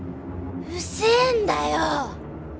うぜえんだよ！